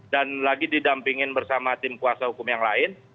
dan lagi didampingin bersama tim kuasa hukum yang lain